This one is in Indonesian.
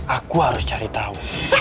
aku harus cari tau